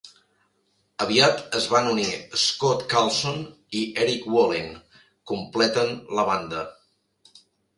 Aviat es van unir Scott Carlson i Erik Wallin, completen la banda.